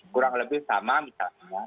kurang lebih sama misalnya